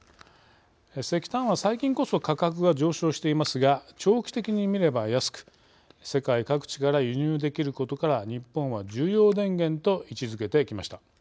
石炭は最近こそ価格が上昇していますが長期的にみれば安く世界各地から輸入できることから日本は重要電源と位置づけてきました。